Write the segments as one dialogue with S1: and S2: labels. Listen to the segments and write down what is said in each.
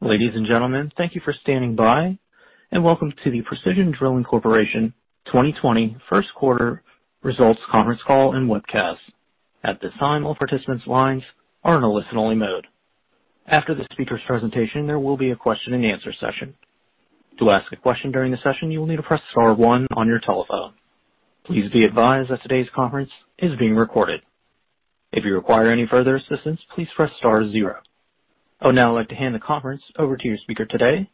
S1: Ladies and gentlemen, thank you for standing by, and welcome to the Precision Drilling Corporation 2020 first quarter results conference call and webcast. At this time, all participants' lines are in a listen-only mode. After the speakers' presentation, there will be a question-and-answer session. To ask a question during the session, you will need to press star one on your telephone. Please be advised that today's conference is being recorded. If you require any further assistance, please press star zero. I would now like to hand the conference over to your speaker today,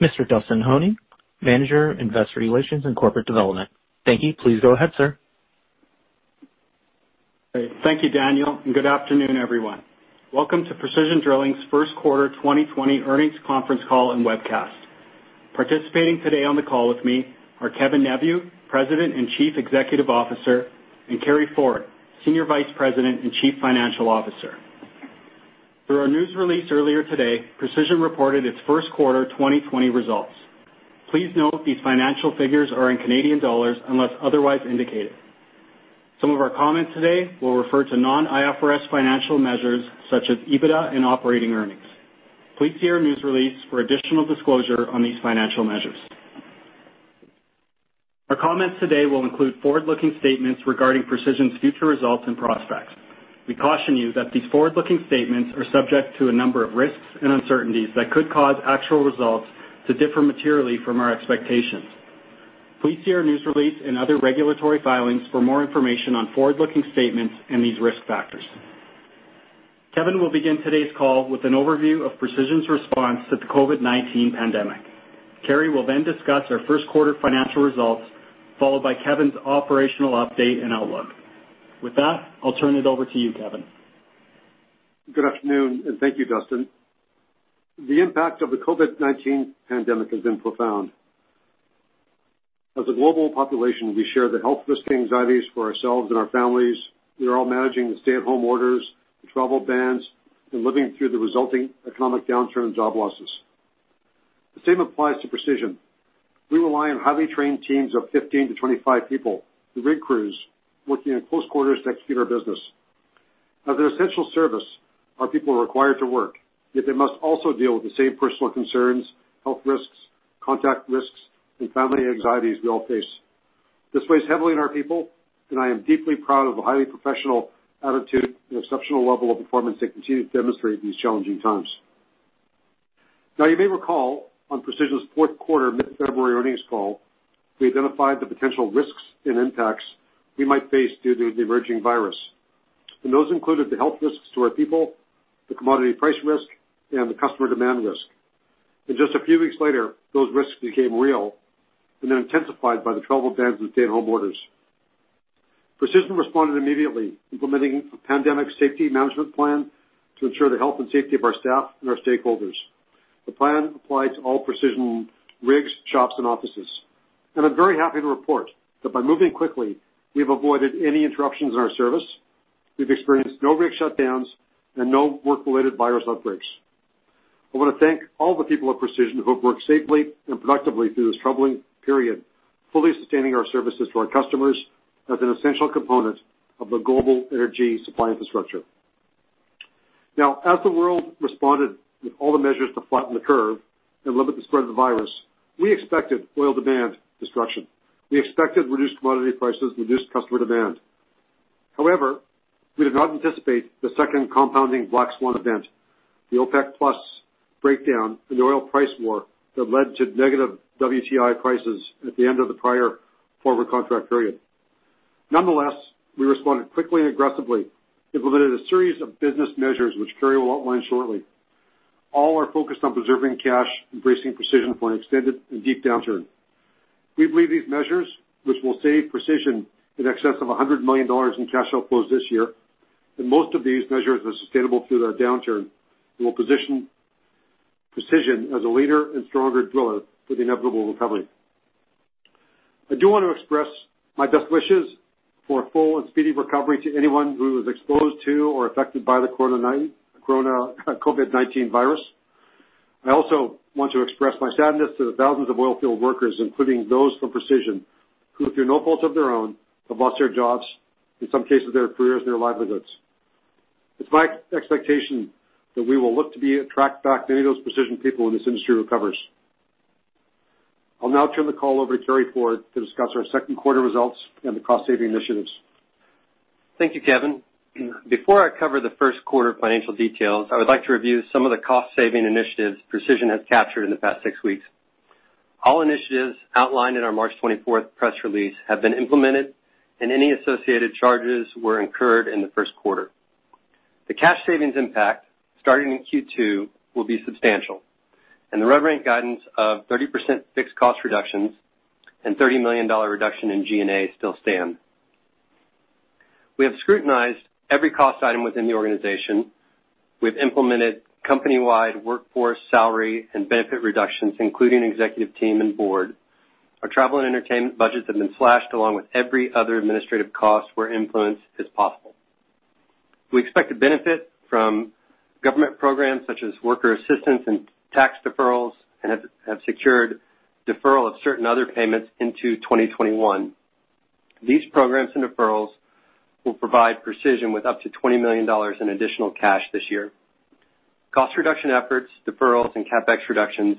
S1: Mr. Dustin Honing, Manager of Investor Relations and Corporate Development. Thank you. Please go ahead, sir.
S2: Great. Thank you, Daniel, good afternoon, everyone. Welcome to Precision Drilling's first quarter 2020 earnings conference call and webcast. Participating today on the call with me are Kevin Neveu, President and Chief Executive Officer, and Carey Ford, Senior Vice President and Chief Financial Officer. Through our news release earlier today, Precision reported its first quarter 2020 results. Please note these financial figures are in Canadian dollars unless otherwise indicated. Some of our comments today will refer to non-IFRS financial measures such as EBITDA and operating earnings. Please see our news release for additional disclosure on these financial measures. Our comments today will include forward-looking statements regarding Precision's future results and prospects. We caution you that these forward-looking statements are subject to a number of risks and uncertainties that could cause actual results to differ materially from our expectations. Please see our news release and other regulatory filings for more information on forward-looking statements and these risk factors. Kevin will begin today's call with an overview of Precision's response to the COVID-19 pandemic. Carey will then discuss our first quarter financial results, followed by Kevin's operational update and outlook. With that, I'll turn it over to you, Kevin.
S3: Good afternoon. Thank you, Dustin. The impact of the COVID-19 pandemic has been profound. As a global population, we share the health risk anxieties for ourselves and our families. We are all managing the stay-at-home orders, the travel bans, and living through the resulting economic downturn and job losses. The same applies to Precision. We rely on highly trained teams of 15 to 25 people, the rig crews, working in close quarters to execute our business. As an essential service, our people are required to work, yet they must also deal with the same personal concerns, health risks, contact risks, and family anxieties we all face. This weighs heavily on our people, and I am deeply proud of the highly professional attitude and exceptional level of performance they continue to demonstrate in these challenging times. You may recall on Precision's fourth quarter mid-February earnings call, we identified the potential risks and impacts we might face due to the emerging virus, those included the health risks to our people, the commodity price risk, and the customer demand risk. Just a few weeks later, those risks became real and then intensified by the travel bans and stay-at-home orders. Precision responded immediately, implementing a pandemic safety management plan to ensure the health and safety of our staff and our stakeholders. The plan applied to all Precision rigs, shops, and offices. I'm very happy to report that by moving quickly, we've avoided any interruptions in our service. We've experienced no rig shutdowns and no work-related virus outbreaks. I want to thank all the people at Precision who have worked safely and productively through this troubling period, fully sustaining our services to our customers as an essential component of the global energy supply infrastructure. Now, as the world responded with all the measures to flatten the curve and limit the spread of the virus, we expected oil demand destruction. We expected reduced commodity prices and reduced customer demand. However, we did not anticipate the second compounding black swan event, the OPEC+ breakdown and the oil price war that led to negative WTI prices at the end of the prior forward contract period. Nonetheless, we responded quickly and aggressively, implemented a series of business measures which Carey will outline shortly. All are focused on preserving cash and bracing Precision for an extended and deep downturn. We believe these measures, which will save Precision in excess of 100 million dollars in cash outflows this year, and most of these measures are sustainable through the downturn and will position Precision as a leader and stronger driller for the inevitable recovery. I do want to express my best wishes for a full and speedy recovery to anyone who was exposed to or affected by the COVID-19 virus. I also want to express my sadness to the thousands of oil field workers, including those from Precision, who through no fault of their own, have lost their jobs, in some cases, their careers and their livelihoods. It's my expectation that we will look to attract back many of those Precision people when this industry recovers. I'll now turn the call over to Carey Ford to discuss our second quarter results and the cost-saving initiatives.
S4: Thank you, Kevin. Before I cover the first quarter financial details, I would like to review some of the cost-saving initiatives Precision has captured in the past six weeks. All initiatives outlined in our March 24th press release have been implemented, and any associated charges were incurred in the first quarter. The cash savings impact starting in Q2 will be substantial, and the revenue guidance of 30% fixed cost reductions and 30 million dollar reduction in G&A still stand. We have scrutinized every cost item within the organization. We've implemented company-wide workforce salary and benefit reductions, including executive team and board. Our travel and entertainment budgets have been slashed, along with every other administrative cost where influence is possible. We expect to benefit from government programs such as worker assistance and tax deferrals and have secured deferral of certain other payments into 2021. These programs and deferrals will provide Precision with up to 20 million dollars in additional cash this year. Cost reduction efforts, deferrals, and CapEx reductions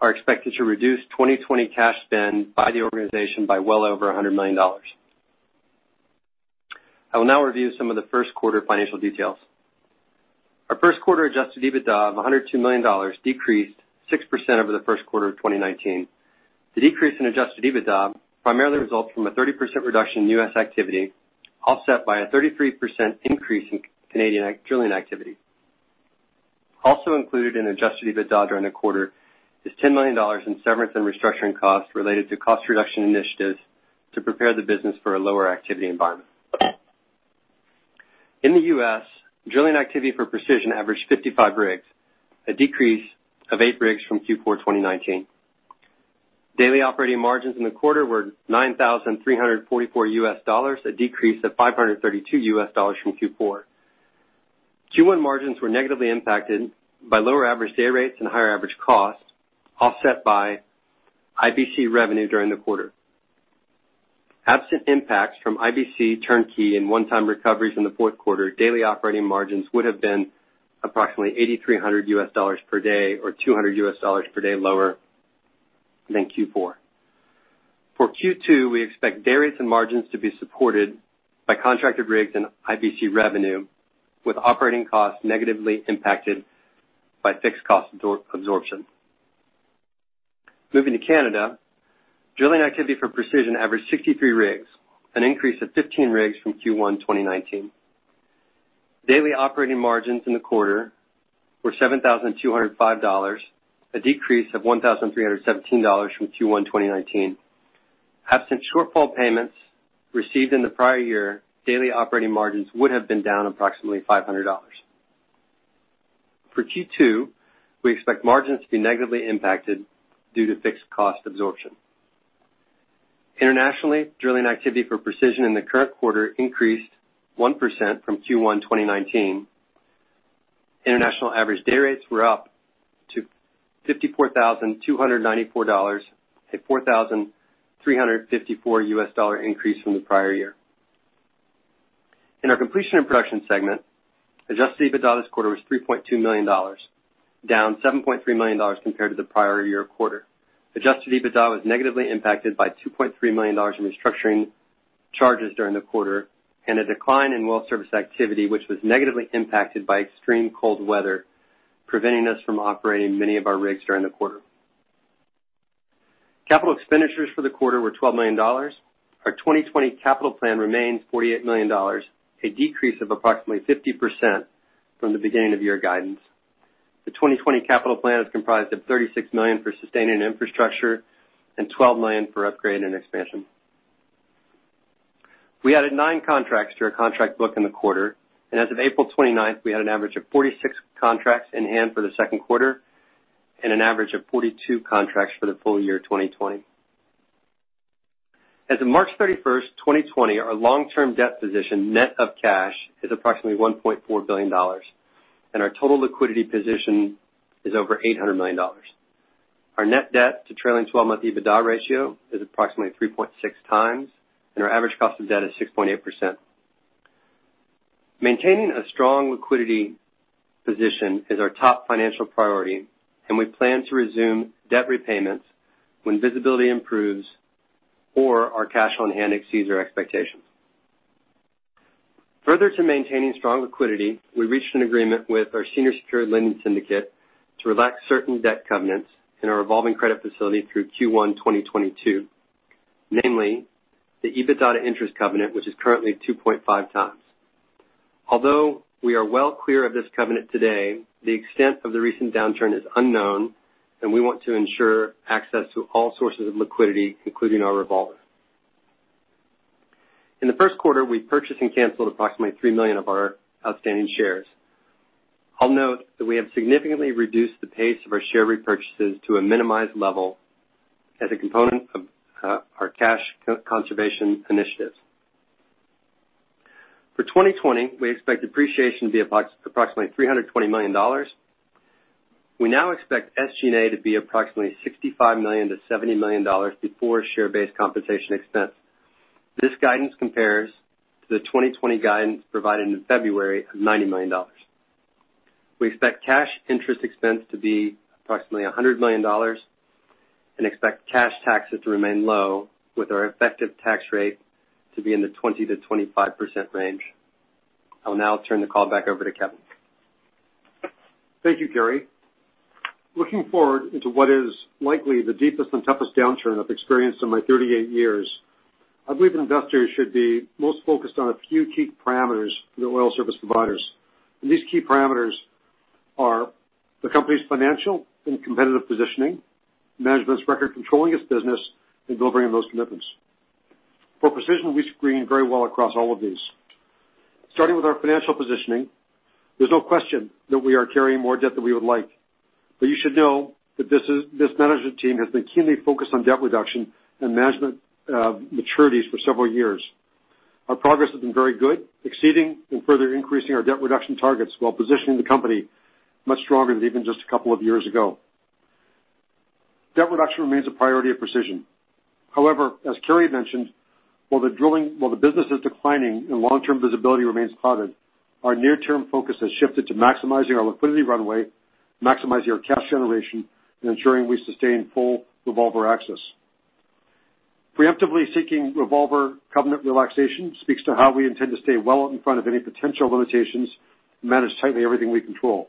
S4: are expected to reduce 2020 cash spend by the organization by well over 100 million dollars. I will now review some of the first quarter financial details. Our first quarter adjusted EBITDA of 102 million dollars decreased 6% over the first quarter of 2019. The decrease in adjusted EBITDA primarily results from a 30% reduction in U.S. activity, offset by a 33% increase in Canadian drilling activity. Included in adjusted EBITDA during the quarter is 10 million dollars in severance and restructuring costs related to cost reduction initiatives to prepare the business for a lower activity environment. In the U.S., drilling activity for Precision averaged 55 rigs, a decrease of eight rigs from Q4 2019. Daily operating margins in the quarter were $9,344, a decrease of $532 from Q4. Q1 margins were negatively impacted by lower average day rates and higher average cost, offset by IBC revenue during the quarter. Absent impacts from IBC turnkey and one-time recoveries in the fourth quarter, daily operating margins would have been approximately $8,300 per day or $200 per day lower than Q4. For Q2, we expect various margins to be supported by contracted rigs and IBC revenue, with operating costs negatively impacted by fixed cost absorption. Moving to Canada, drilling activity for Precision averaged 63 rigs, an increase of 15 rigs from Q1 2019. Daily operating margins in the quarter were 7,205 dollars, a decrease of 1,317 dollars from Q1 2019. Absent shortfall payments received in the prior year, daily operating margins would have been down approximately 500 dollars. For Q2, we expect margins to be negatively impacted due to fixed cost absorption. Internationally, drilling activity for Precision in the current quarter increased 1% from Q1 2019. International average day rates were up to $54,294, a $4,354 U.S. dollar increase from the prior year. In our Completion and Production segment, adjusted EBITDA this quarter was 3.2 million dollars, down 7.3 million dollars compared to the prior year quarter. Adjusted EBITDA was negatively impacted by 2.3 million dollars in restructuring charges during the quarter and a decline in well service activity, which was negatively impacted by extreme cold weather preventing us from operating many of our rigs during the quarter. Capital expenditures for the quarter were 12 million dollars. Our 2020 capital plan remains 48 million dollars, a decrease of approximately 50% from the beginning of year guidance. The 2020 capital plan is comprised of 36 million for sustaining infrastructure and 12 million for upgrade and expansion. We added nine contracts to our contract book in the quarter. As of April 29th, we had an average of 46 contracts in hand for the second quarter and an average of 42 contracts for the full-year 2020. As of March 31st 2020, our long-term debt position, net of cash, is approximately 1.4 billion dollars and our total liquidity position is over 800 million dollars. Our net debt to trailing 12-month EBITDA ratio is approximately 3.6 times. Our average cost of debt is 6.8%. Maintaining a strong liquidity position is our top financial priority. We plan to resume debt repayments when visibility improves or our cash on hand exceeds our expectations. Further to maintaining strong liquidity, we reached an agreement with our senior secured lending syndicate to relax certain debt covenants in our revolving credit facility through Q1 2022, namely the EBITDA interest covenant, which is currently 2.5x. Although we are well clear of this covenant today, the extent of the recent downturn is unknown, and we want to ensure access to all sources of liquidity, including our revolver. In the first quarter, we purchased and canceled approximately 3 million of our outstanding shares. I'll note that we have significantly reduced the pace of our share repurchases to a minimized level as a component of our cash conservation initiatives. For 2020, we expect depreciation to be approximately 320 million dollars. We now expect SG&A to be approximately 65 million-70 million dollars before share-based compensation expense. This guidance compares to the 2020 guidance provided in February of 90 million dollars. We expect cash interest expense to be approximately 100 million dollars and expect cash taxes to remain low, with our effective tax rate to be in the 20%-25% range. I will now turn the call back over to Kevin.
S3: Thank you, Carey. Looking forward into what is likely the deepest and toughest downturn I've experienced in my 38 years, I believe investors should be most focused on a few key parameters for the oil service providers. These key parameters are the company's financial and competitive positioning, management's record controlling its business, and delivering those commitments. For Precision, we screen very well across all of these. Starting with our financial positioning, there's no question that we are carrying more debt than we would like, but you should know that this management team has been keenly focused on debt reduction and management maturities for several years. Our progress has been very good, exceeding and further increasing our debt reduction targets while positioning the company much stronger than even just a couple of years ago. Debt reduction remains a priority of Precision. However, as Carey mentioned, while the business is declining and long-term visibility remains clouded, our near-term focus has shifted to maximizing our liquidity runway, maximizing our cash generation, and ensuring we sustain full revolver access. Preemptively seeking revolver covenant relaxation speaks to how we intend to stay well in front of any potential limitations and manage tightly everything we control.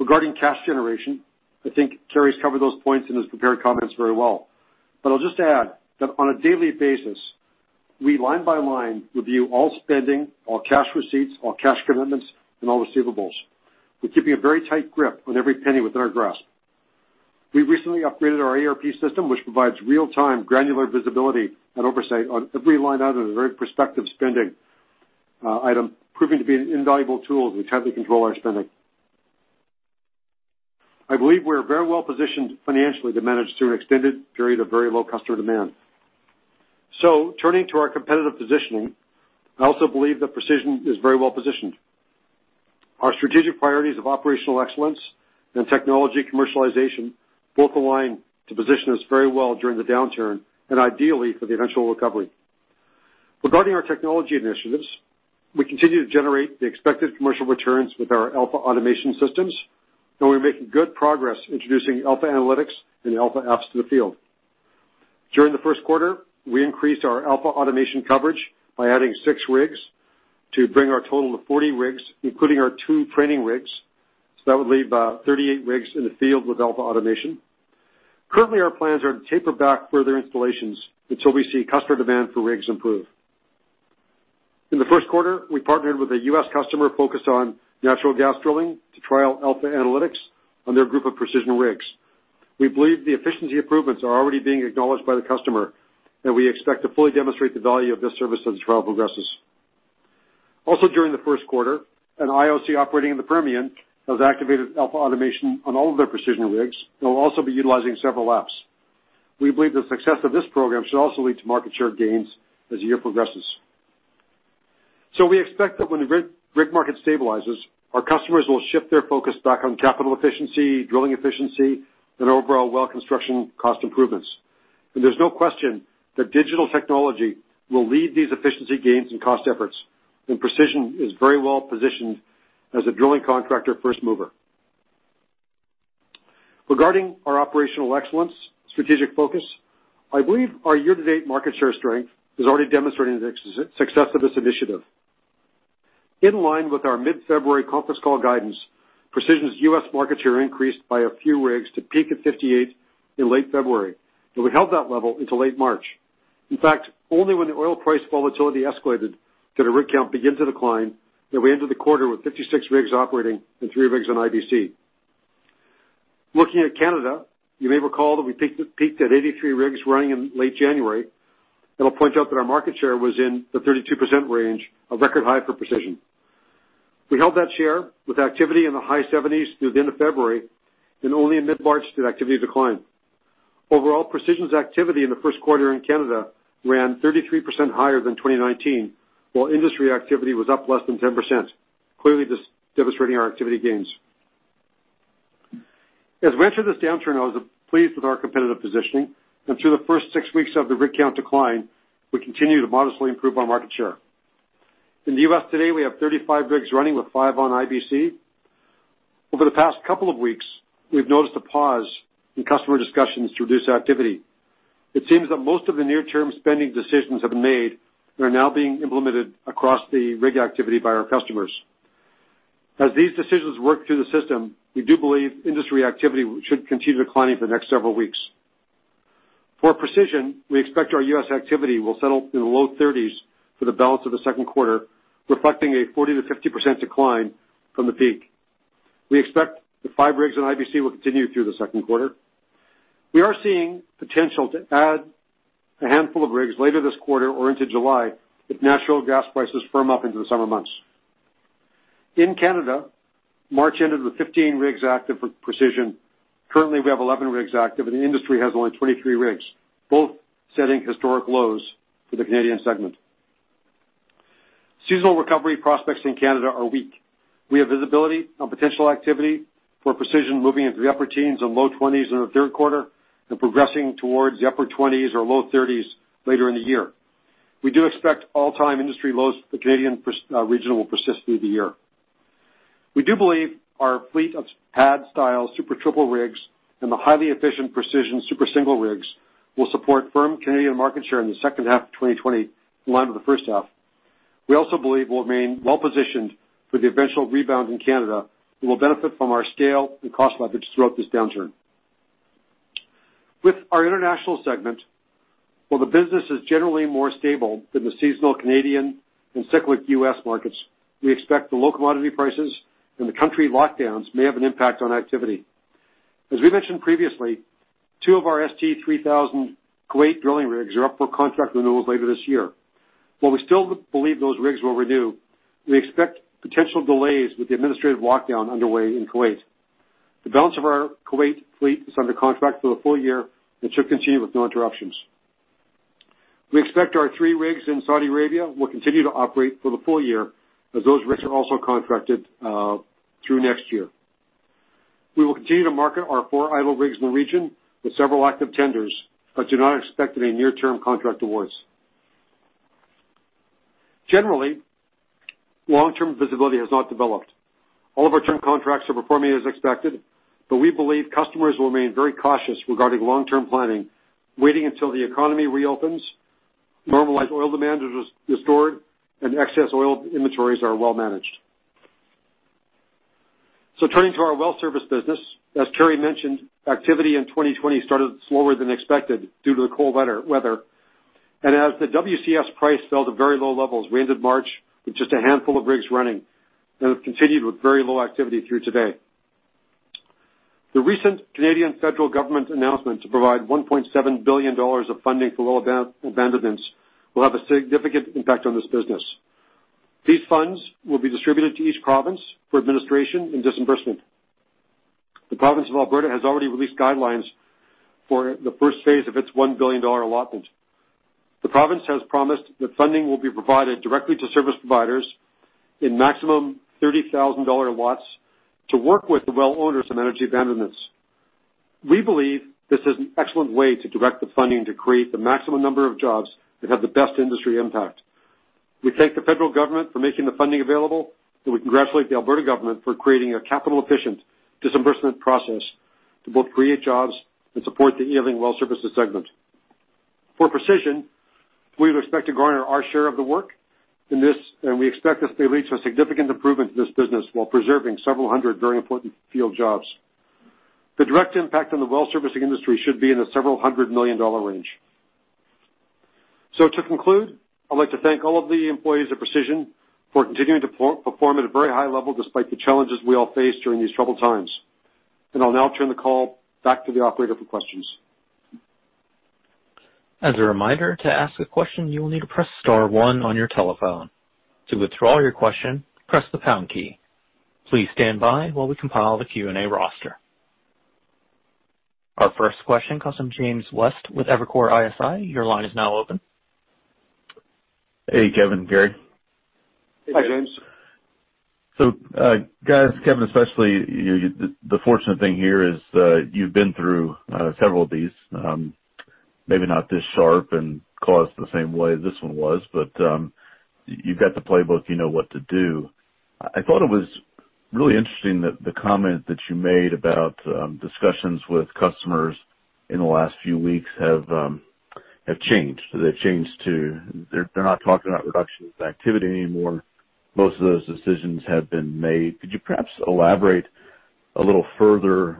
S3: Regarding cash generation, I think Carey's covered those points in his prepared comments very well. I'll just add that on a daily basis, we line by line review all spending, all cash receipts, all cash commitments, and all receivables. We're keeping a very tight grip on every penny within our grasp. We recently upgraded our ERP system, which provides real-time granular visibility and oversight on every line item and very prospective spending item, proving to be an invaluable tool as we tightly control our spending. I believe we're very well positioned financially to manage through an extended period of very low customer demand. Turning to our competitive positioning, I also believe that Precision is very well positioned. Our strategic priorities of operational excellence and technology commercialization both align to position us very well during the downturn and ideally for the eventual recovery. Regarding our technology initiatives, we continue to generate the expected commercial returns with our AlphaAutomation systems, and we're making good progress introducing AlphaAnalytics and AlphaApps to the field. During the first quarter, we increased our AlphaAutomation coverage by adding six rigs to bring our total to 40 rigs, including our two training rigs. That would leave 38 rigs in the field with AlphaAutomation. Currently, our plans are to taper back further installations until we see customer demand for rigs improve. In the first quarter, we partnered with a U.S. customer focused on natural gas drilling to trial AlphaAnalytics on their group of Precision rigs. We believe the efficiency improvements are already being acknowledged by the customer, and we expect to fully demonstrate the value of this service as the trial progresses. Also during the first quarter, an IOC operating in the Permian has activated AlphaAutomation on all of their Precision rigs and will also be utilizing several apps. We believe the success of this program should also lead to market share gains as the year progresses. We expect that when the rig market stabilizes, our customers will shift their focus back on capital efficiency, drilling efficiency, and overall well construction cost improvements. There's no question that digital technology will lead these efficiency gains and cost efforts, Precision is very well positioned as a drilling contractor first mover. Regarding our operational excellence strategic focus, I believe our year-to-date market share strength is already demonstrating the success of this initiative. In line with our mid-February conference call guidance, Precision's U.S. market share increased by a few rigs to peak at 58 in late February, and we held that level until late March. In fact, only when the oil price volatility escalated did our rig count begin to decline, and we ended the quarter with 56 rigs operating and three rigs on IBC. Looking at Canada, you may recall that we peaked at 83 rigs running in late January. I'll point out that our market share was in the 32% range, a record high for Precision. We held that share with activity in the high 70s through the end of February. Only in mid-March did activity decline. Overall, Precision's activity in the first quarter in Canada ran 33% higher than 2019, while industry activity was up less than 10%, clearly demonstrating our activity gains. As we enter this downturn, I was pleased with our competitive positioning. Through the first six weeks of the rig count decline, we continue to modestly improve our market share. In the U.S. today, we have 35 rigs running with five on IBC. Over the past couple of weeks, we've noticed a pause in customer discussions to reduce activity. It seems that most of the near-term spending decisions have been made and are now being implemented across the rig activity by our customers. As these decisions work through the system, we do believe industry activity should continue declining for the next several weeks. For Precision, we expect our U.S. activity will settle in the low 30s for the balance of the second quarter, reflecting a 40%-50% decline from the peak. We expect the five rigs on IBC will continue through the second quarter. We are seeing potential to add a handful of rigs later this quarter or into July if natural gas prices firm up into the summer months. In Canada, March ended with 15 rigs active for Precision. Currently, we have 11 rigs active, and the industry has only 23 rigs, both setting historic lows for the Canadian segment. Seasonal recovery prospects in Canada are weak. We have visibility on potential activity for Precision moving into the upper teens and low 20s in the third quarter and progressing towards the upper 20s or low 30s later in the year. We do expect all-time industry lows for the Canadian region will persist through the year. We do believe our fleet of pad-style Super Triple rigs and the highly efficient Precision Super Single rigs will support firm Canadian market share in the second half of 2020 in line with the first half. We also believe we'll remain well positioned for the eventual rebound in Canada and will benefit from our scale and cost leverage throughout this downturn. With our international segment, while the business is generally more stable than the seasonal Canadian and cyclic U.S. markets, we expect the low commodity prices and the country lockdowns may have an impact on activity. As we mentioned previously, two of our ST-3000 Kuwait drilling rigs are up for contract renewals later this year. While we still believe those rigs will renew, we expect potential delays with the administrative lockdown underway in Kuwait. The balance of our Kuwait fleet is under contract for the full-year and should continue with no interruptions. We expect our three rigs in Saudi Arabia will continue to operate for the full-year as those rigs are also contracted through next year. We will continue to market our four idle rigs in the region with several active tenders but do not expect any near-term contract awards. Generally, long-term visibility has not developed. All of our term contracts are performing as expected, but we believe customers will remain very cautious regarding long-term planning, waiting until the economy reopens, normalized oil demand is restored, and excess oil inventories are well managed. Turning to our well service business, as Carey mentioned, activity in 2020 started slower than expected due to the cold weather. As the WCS price fell to very low levels, we ended March with just a handful of rigs running and have continued with very low activity through today. The recent Canadian federal government announcement to provide 1.7 billion dollars of funding for oil abandonments will have a significant impact on this business. These funds will be distributed to each province for administration and disbursement. The province of Alberta has already released guidelines for the first phase of its 1 billion dollar allotment. The province has promised that funding will be provided directly to service providers in maximum 30,000 dollar lots to work with the well owners on energy abandonments. We believe this is an excellent way to direct the funding to create the maximum number of jobs that have the best industry impact. We thank the federal government for making the funding available, and we congratulate the Alberta government for creating a capital-efficient disbursement process to both create jobs and support the E&P well services segment. For Precision, we would expect to garner our share of the work in this, and we expect this may lead to a significant improvement to this business while preserving several hundred very important field jobs. The direct impact on the well servicing industry should be in the several hundred million CAD range. To conclude, I'd like to thank all of the employees of Precision for continuing to perform at a very high level despite the challenges we all face during these troubled times. I'll now turn the call back to the operator for questions.
S1: As a reminder, to ask a question, you will need to press star one on your telephone. To withdraw your question, press the pound key. Please stand by while we compile the Q&A roster. Our first question comes from James West with Evercore ISI. Your line is now open.
S5: Hey, Kevin, Carey.
S3: Hi, James.
S5: Guys, Kevin especially, the fortunate thing here is you've been through several of these. Maybe not this sharp and caused the same way this one was, but you've got the playbook. You know what to do. I thought it was really interesting that the comment that you made about discussions with customers in the last few weeks have changed. They've changed to they're not talking about reductions in activity anymore. Most of those decisions have been made. Could you perhaps elaborate a little further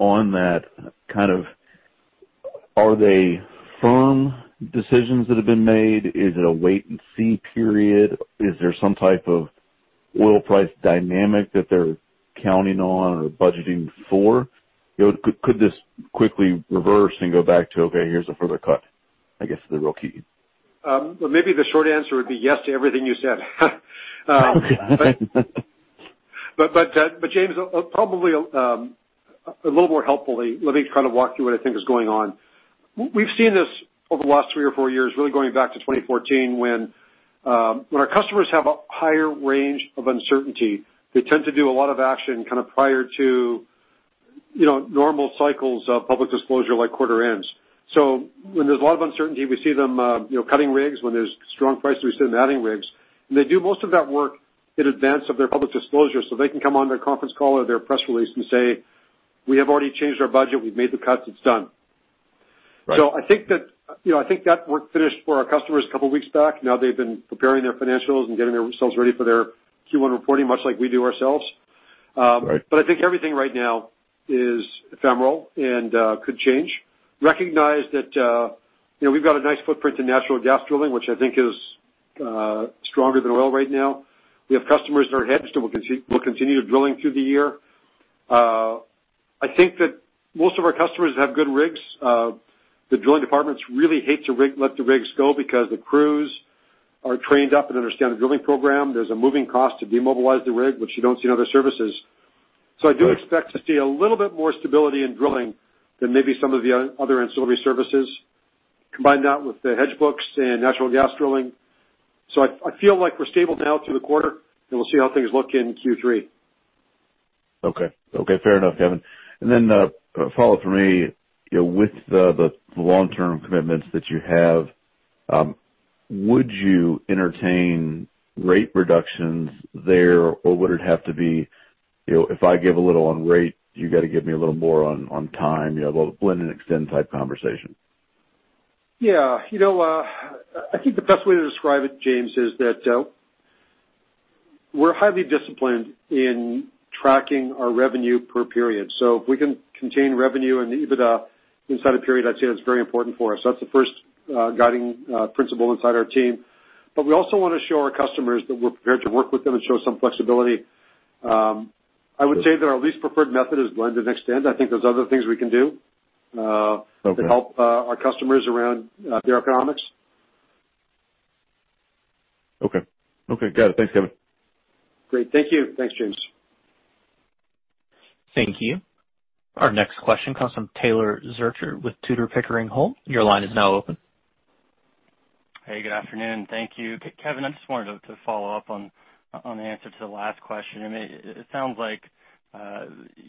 S5: on that? Are they firm decisions that have been made? Is it a wait-and-see period? Is there some type of oil price dynamic that they're counting on or budgeting for? Could this quickly reverse and go back to, okay, here's a further cut, I guess, is the real key.
S3: Maybe the short answer would be yes to everything you said.
S5: Okay.
S3: James, probably a little more helpfully, let me kind of walk through what I think is going on. We've seen this over the last three or four years, really going back to 2014 when our customers have a higher range of uncertainty, they tend to do a lot of action prior to normal cycles of public disclosure, like quarter ends. When there's a lot of uncertainty, we see them cutting rigs. When there's strong prices, we see them adding rigs, and they do most of that work in advance of their public disclosure, so they can come on their conference call or their press release and say, "We have already changed our budget. We've made the cuts. It's done.
S5: Right.
S3: I think that work finished for our customers a couple of weeks back. Now they've been preparing their financials and getting themselves ready for their Q1 reporting, much like we do ourselves.
S5: Right.
S3: I think everything right now is ephemeral and could change. Recognize that we've got a nice footprint in natural gas drilling, which I think is stronger than oil right now. We have customers that are hedged, and we'll continue drilling through the year. I think that most of our customers have good rigs. The drilling departments really hate to let the rigs go because the crews are trained up and understand the drilling program. There's a moving cost to demobilize the rig, which you don't see in other services.
S5: Right.
S3: I do expect to see a little bit more stability in drilling than maybe some of the other ancillary services. Combine that with the hedge books and natural gas drilling. I feel like we're stable now through the quarter, and we'll see how things look in Q3.
S5: Okay. Fair enough, Kevin. A follow up from me. With the long-term commitments that you have, would you entertain rate reductions there, or would it have to be, if I give a little on rate, you got to give me a little more on time, blend and extend type conversation?
S3: I think the best way to describe it, James, is that we're highly disciplined in tracking our revenue per period. If we can contain revenue and EBITDA inside a period, I'd say that's very important for us. That's the first guiding principle inside our team. We also want to show our customers that we're prepared to work with them and show some flexibility. I would say that our least preferred method is blend and extend. I think there's other things we can do.
S5: Okay
S3: to help our customers around their economics.
S5: Okay. Got it. Thanks, Kevin.
S3: Great. Thank you. Thanks, James.
S1: Thank you. Our next question comes from Taylor Zurcher with Tudor, Pickering, Holt. Your line is now open.
S6: Hey, good afternoon. Thank you. Kevin, I just wanted to follow up on the answer to the last question. It sounds like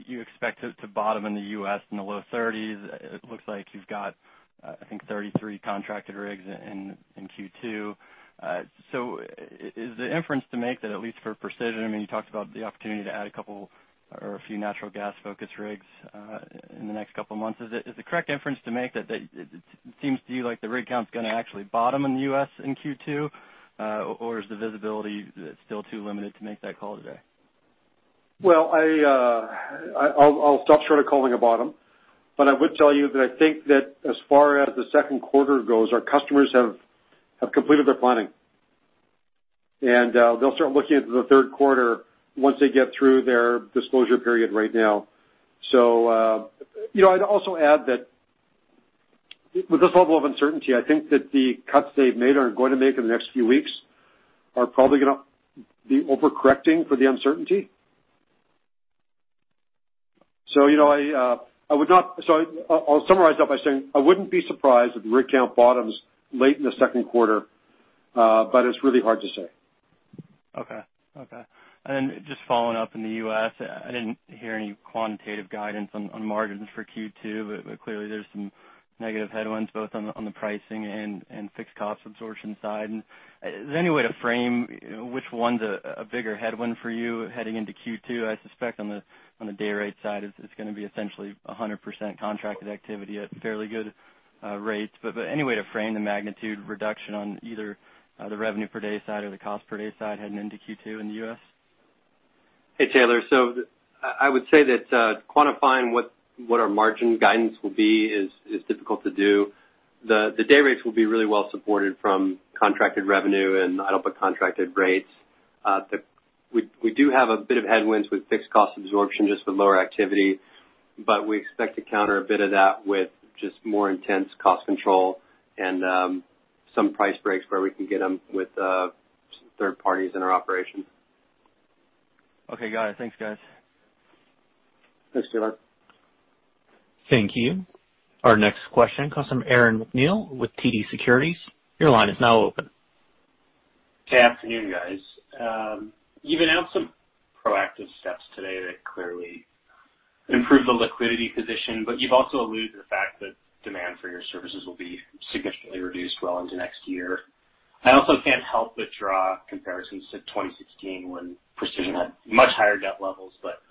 S6: you expect it to bottom in the U.S. in the low 30s. It looks like you've got, I think, 33 contracted rigs in Q2. Is the inference to make that at least for Precision, you talked about the opportunity to add a couple or a few natural gas-focused rigs, in the next couple of months. Is the correct inference to make that it seems to you like the rig count's going to actually bottom in the U.S. in Q2? Or is the visibility still too limited to make that call today?
S3: Well, I'll stop short of calling a bottom, but I would tell you that I think that as far as the second quarter goes, our customers have completed their planning. They'll start looking into the third quarter once they get through their disclosure period right now. I'd also add that with this level of uncertainty, I think that the cuts they've made or are going to make in the next few weeks are probably going to be over-correcting for the uncertainty. I'll summarize that by saying I wouldn't be surprised if the rig count bottoms late in the second quarter, but it's really hard to say.
S6: Okay. Just following up in the U.S., I didn't hear any quantitative guidance on margins for Q2, clearly there's some negative headwinds both on the pricing and fixed cost absorption side. Is there any way to frame which one's a bigger headwind for you heading into Q2? I suspect on the day rate side it's going to be essentially 100% contracted activity at fairly good rates. Any way to frame the magnitude reduction on either the revenue per day side or the cost per day side heading into Q2 in the U.S.?
S4: Hey, Taylor. I would say that quantifying what our margin guidance will be is difficult to do. The day rates will be really well supported from contracted revenue and I'd hope contracted rates. We do have a bit of headwinds with fixed cost absorption just with lower activity, but we expect to counter a bit of that with just more intense cost control and some price breaks where we can get them with third parties in our operations.
S6: Okay. Got it. Thanks, guys.
S3: Thanks, Taylor.
S1: Thank you. Our next question comes from Aaron MacNeil with TD Securities. Your line is now open.
S7: Good afternoon, guys. You've announced some proactive steps today that clearly improve the liquidity position, but you've also alluded to the fact that demand for your services will be significantly reduced well into next year. I also can't help but draw comparisons to 2016 when Precision had much higher debt levels, but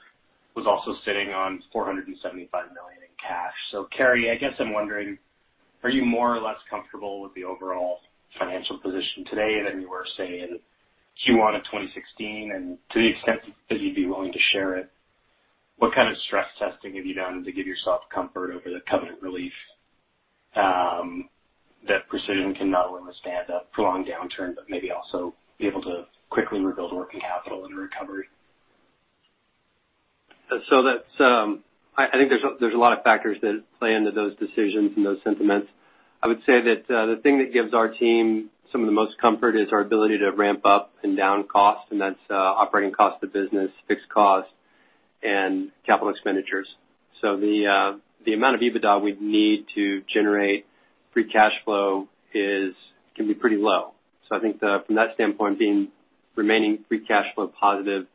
S7: was also sitting on 475 million in cash. Carey, I guess I'm wondering, are you more or less comfortable with the overall financial position today than you were, say, in Q1 of 2016? To the extent that you'd be willing to share it, what kind of stress testing have you done to give yourself comfort over the covenant relief that Precision can not only withstand a prolonged downturn, but maybe also be able to quickly rebuild working capital in a recovery?
S4: I think there's a lot of factors that play into those decisions and those sentiments. I would say that, the thing that gives our team some of the most comfort is our ability to ramp up and down costs, and that's operating cost of business, fixed costs, and capital expenditures. The amount of EBITDA we'd need to generate free cash flow can be pretty low. I think from that standpoint, being remaining free cash flow positive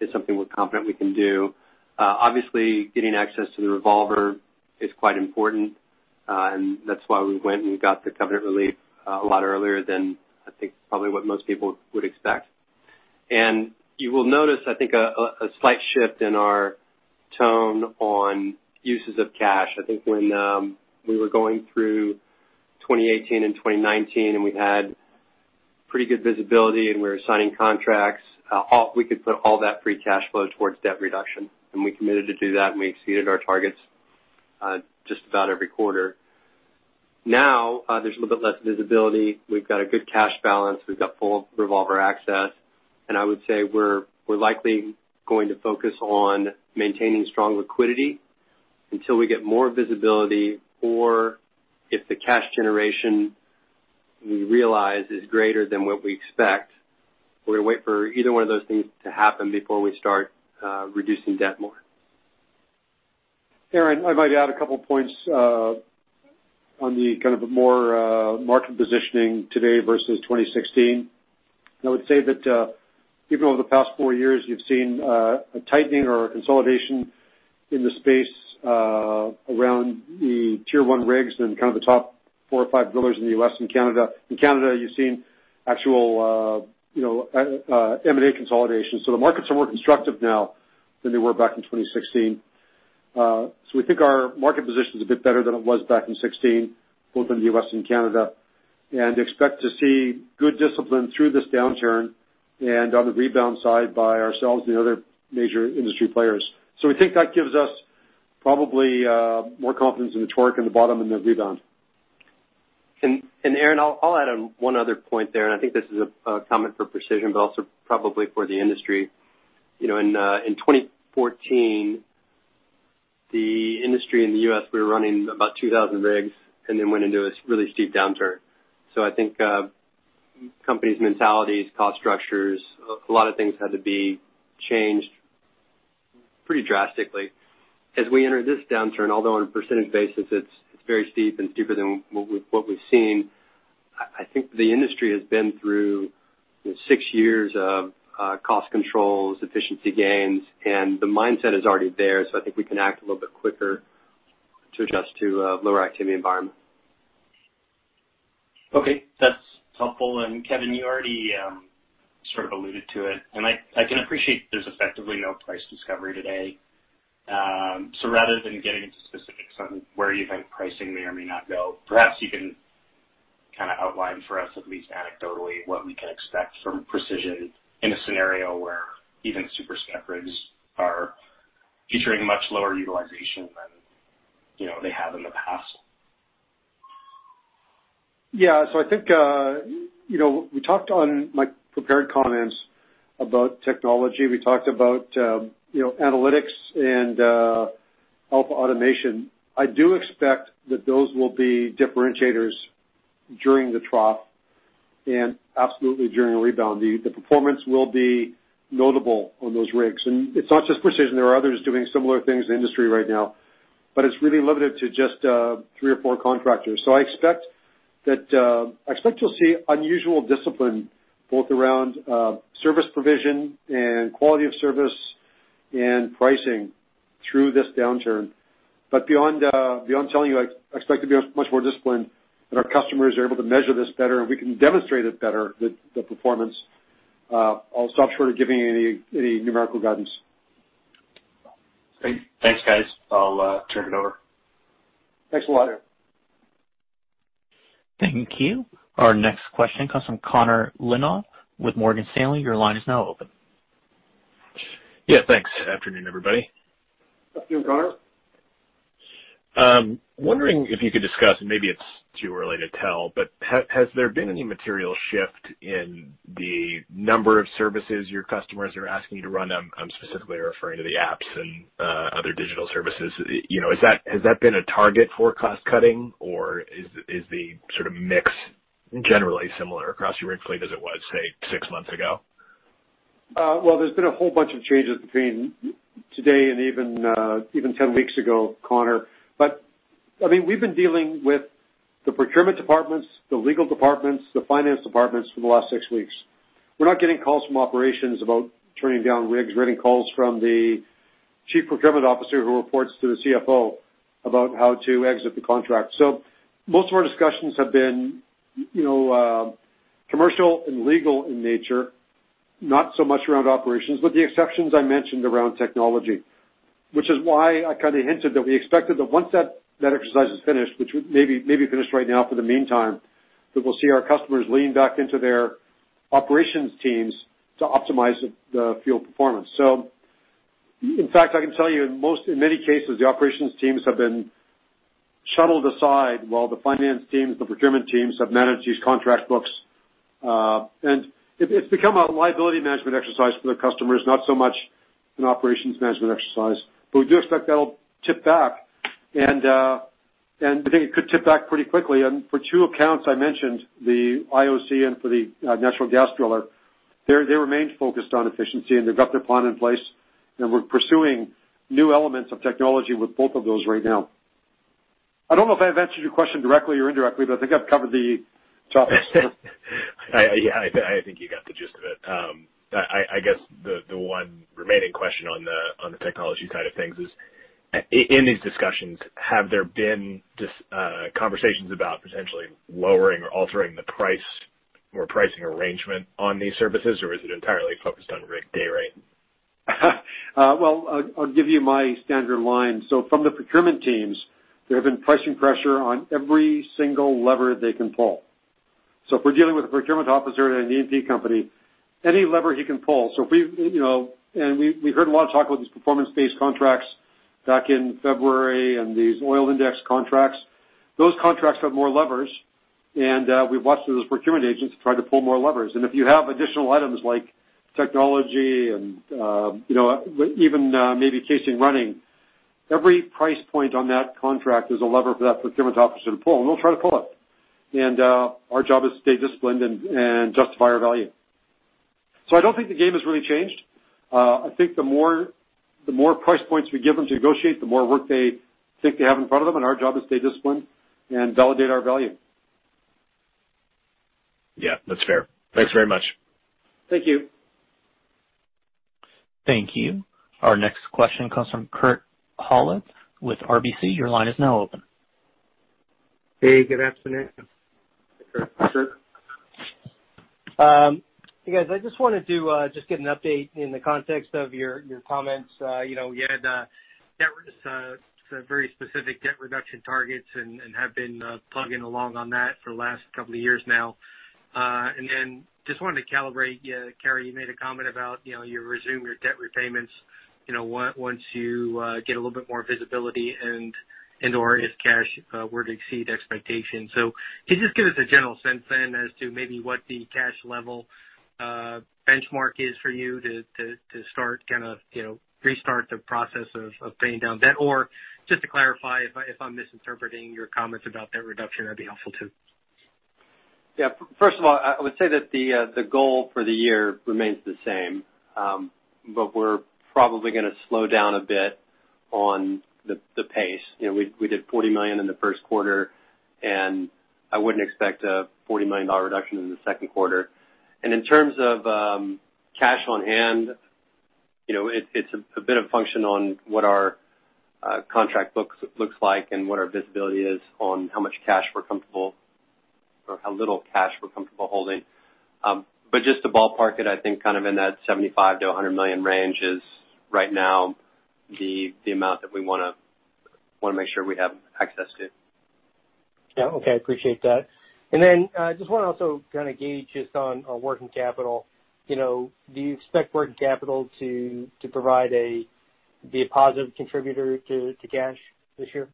S4: is something we're confident we can do. Obviously, getting access to the revolver is quite important. That's why we went and got the covenant relief a lot earlier than I think probably what most people would expect. You will notice, I think, a slight shift in our tone on uses of cash. I think when we were going through 2018 and 2019, and we had pretty good visibility and we were signing contracts, we could put all that free cash flow towards debt reduction. We committed to do that, and we exceeded our targets just about every quarter. Now, there's a little bit less visibility. We've got a good cash balance. We've got full revolver access. I would say we're likely going to focus on maintaining strong liquidity until we get more visibility or if the cash generation we realize is greater than what we expect. We're going to wait for either one of those things to happen before we start reducing debt more.
S3: Aaron, I might add a couple points on the kind of more market positioning today versus 2016. I would say that even over the past four years, you've seen a tightening or a consolidation in the space around the Tier 1 rigs and kind of the top four or five drillers in the U.S. and Canada. In Canada, you've seen actual M&A consolidation. The markets are more constructive now than they were back in 2016. We think our market position is a bit better than it was back in 2016, both in the U.S. and Canada, and expect to see good discipline through this downturn and on the rebound side by ourselves and the other major industry players. We think that gives us probably more confidence in the torque in the bottom and the rebound.
S4: Aaron, I'll add one other point there, I think this is a comment for Precision, but also probably for the industry. In 2014, the industry in the U.S., we were running about 2,000 rigs and then went into a really steep downturn. I think companies' mentalities, cost structures, a lot of things had to be changed pretty drastically. As we enter this downturn, although on a percentage basis it's very steep and steeper than what we've seen, I think the industry has been through six years of cost controls, efficiency gains, and the mindset is already there. I think we can act a little bit quicker to adjust to a lower activity environment.
S7: Okay. That's helpful. Kevin, you already sort of alluded to it, and I can appreciate there's effectively no price discovery today. Rather than getting into specifics on where you think pricing may or may not go, perhaps you can kind of outline for us, at least anecdotally, what we can expect from Precision in a scenario where even super spec rigs are featuring much lower utilization than they have in the past.
S3: I think we talked on my prepared comments about technology. We talked about analytics and AlphaAutomation. I do expect that those will be differentiators during the trough and absolutely during a rebound. The performance will be notable on those rigs. It's not just Precision. There are others doing similar things in the industry right now, but it's really limited to just three or four contractors. I expect you'll see unusual discipline both around service provision and quality of service and pricing through this downturn. Beyond telling you I expect to be much more disciplined and our customers are able to measure this better and we can demonstrate it better with the performance, I'll stop short of giving any numerical guidance.
S7: Great. Thanks, guys. I'll turn it over.
S3: Thanks a lot, Aaron.
S1: Thank you. Our next question comes from Connor Lynagh with Morgan Stanley. Your line is now open.
S8: Yeah, thanks. Afternoon, everybody.
S3: Afternoon, Connor.
S8: I'm wondering if you could discuss, and maybe it's too early to tell, but has there been any material shift in the number of services your customers are asking you to run? I'm specifically referring to the AlphaApps and other digital services. Has that been a target for cost cutting or is the sort of mix generally similar across your rig fleet as it was, say, six months ago?
S3: Well, there's been a whole bunch of changes between today and even 10 weeks ago, Connor. We've been dealing with the procurement departments, the legal departments, the finance departments for the last six weeks. We're not getting calls from operations about turning down rigs. We're getting calls from the chief procurement officer who reports to the CFO about how to exit the contract. Most of our discussions have been commercial and legal in nature, not so much around operations, with the exceptions I mentioned around technology, which is why I kind of hinted that we expected that once that exercise is finished, which may be finished right now for the meantime, that we'll see our customers lean back into their operations teams to optimize the field performance. In fact, I can tell you in many cases, the operations teams have been shuttled aside while the finance teams, the procurement teams, have managed these contract books. It's become a liability management exercise for the customers, not so much an operations management exercise, but we do expect that'll tip back and I think it could tip back pretty quickly. For two accounts I mentioned, the IOC and for the natural gas driller, they remain focused on efficiency, and they've got their plan in place, and we're pursuing new elements of technology with both of those right now. I don't know if I've answered your question directly or indirectly, but I think I've covered the topics.
S8: Yeah, I think you got the gist of it. I guess the one remaining question on the technology side of things is, in these discussions, have there been conversations about potentially lowering or altering the price or pricing arrangement on these services, or is it entirely focused on rig day rate?
S3: Well, I'll give you my standard line. From the procurement teams, there has been pricing pressure on every single lever they can pull. If we're dealing with a procurement officer at an E&P company, any lever he can pull. We heard a lot of talk about these performance-based contracts back in February and these oil index contracts. Those contracts have more levers, and we've watched those procurement agents try to pull more levers. If you have additional items like technology and even maybe casing running, every price point on that contract is a lever for that procurement officer to pull, and they'll try to pull it. Our job is to stay disciplined and justify our value. I don't think the game has really changed. I think the more price points we give them to negotiate, the more work they think they have in front of them, and our job is to stay disciplined and validate our value.
S8: Yeah, that's fair. Thanks very much.
S3: Thank you.
S1: Thank you. Our next question comes from Kurt Hallead with RBC. Your line is now open.
S9: Hey, good afternoon.
S3: Good afternoon, Kurt.
S9: Hey, guys, I just wanted to get an update in the context of your comments. You had a very specific debt reduction targets and have been plugging along on that for the last couple of years now. Just wanted to calibrate, Carey, you made a comment about you'll resume your debt repayments once you get a little bit more visibility and If cash were to exceed expectations. Can you just give us a general sense then as to maybe what the cash level benchmark is for you to restart the process of paying down debt? Just to clarify, if I'm misinterpreting your comments about debt reduction, that'd be helpful too.
S4: First of all, I would say that the goal for the year remains the same, we're probably going to slow down a bit on the pace. We did 40 million in the first quarter, I wouldn't expect a 40 million dollar reduction in the second quarter. In terms of cash on hand, it's a bit of a function on what our contract book looks like and what our visibility is on how much cash we're comfortable, or how little cash we're comfortable holding. Just to ballpark it, I think in that 75 million-100 million range is right now the amount that we want to make sure we have access to.
S9: Yeah, okay. Appreciate that. I just want to also gauge just on working capital. Do you expect working capital to be a positive contributor to cash this year?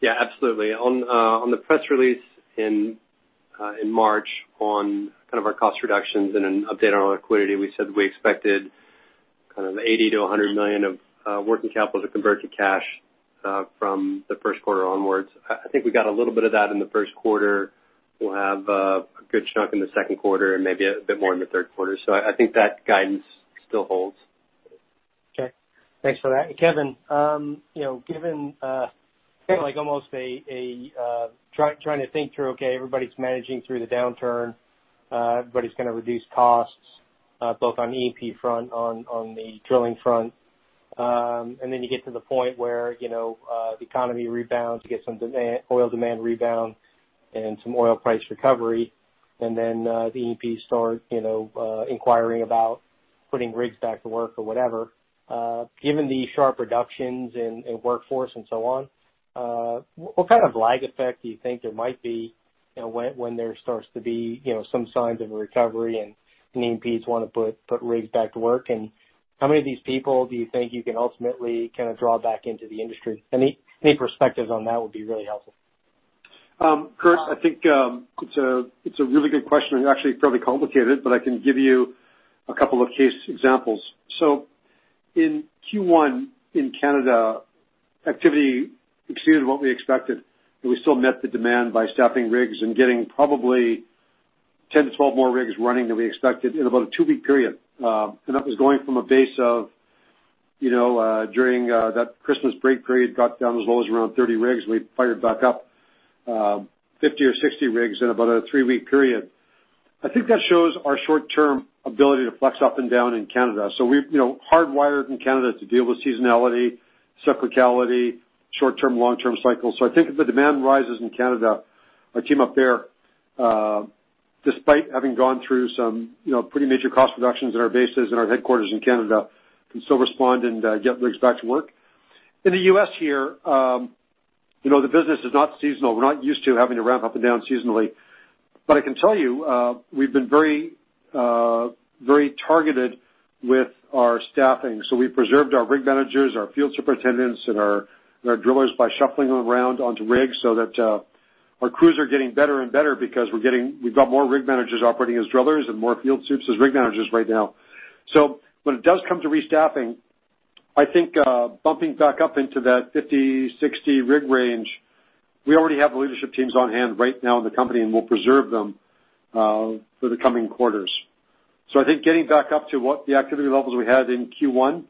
S4: Yeah, absolutely. On the press release in March on our cost reductions and an update on our liquidity, we said we expected 80 million-100 million of working capital to convert to cash from the first quarter onwards. I think we got a little bit of that in the first quarter. We'll have a good chunk in the second quarter and maybe a bit more in the third quarter. I think that guidance still holds.
S9: Okay. Thanks for that. Kevin, given almost trying to think through, okay, everybody's managing through the downturn, everybody's going to reduce costs both on E&P front, on the drilling front. Then you get to the point where the economy rebounds, you get some oil demand rebound and some oil price recovery. Then the E&Ps start inquiring about putting rigs back to work or whatever. Given the sharp reductions in workforce and so on, what kind of lag effect do you think there might be when there starts to be some signs of a recovery and E&Ps want to put rigs back to work, and how many of these people do you think you can ultimately draw back into the industry? Any perspectives on that would be really helpful.
S3: Kurt, I think it's a really good question, and actually fairly complicated, but I can give you a couple of case examples. In Q1 in Canada, activity exceeded what we expected, and we still met the demand by staffing rigs and getting probably 10-12 more rigs running than we expected in about a two-week period. That was going from a base of during that Christmas break period, got down as low as around 30 rigs, and we fired back up 50 or 60 rigs in about a three-week period. I think that shows our short-term ability to flex up and down in Canada. We're hardwired in Canada to deal with seasonality, cyclicality, short-term, long-term cycles. I think if the demand rises in Canada, our team up there, despite having gone through some pretty major cost reductions in our bases and our headquarters in Canada, can still respond and get rigs back to work. In the U.S. here, the business is not seasonal. We're not used to having to ramp up and down seasonally. I can tell you, we've been very targeted with our staffing. We preserved our rig managers, our field superintendents, and our drillers by shuffling them around onto rigs so that our crews are getting better and better because we've got more rig managers operating as drillers and more field supes as rig managers right now. When it does come to restaffing, I think bumping back up into that 50, 60 rig range, we already have leadership teams on hand right now in the company, and we'll preserve them for the coming quarters. I think getting back up to what the activity levels we had in Q1,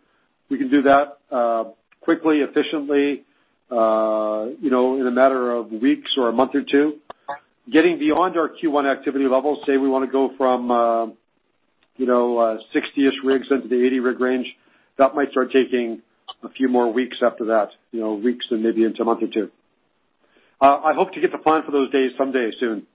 S3: we can do that quickly, efficiently, in a matter of weeks or a month or two. Getting beyond our Q1 activity levels, say we want to go from 60-ish rigs into the 80 rig range, that might start taking a few more weeks after that. Weeks and maybe into a month or two. I hope to get the plan for those days someday soon.